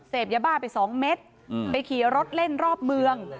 ยาบ้าไป๒เม็ดไปขี่รถเล่นรอบเมือง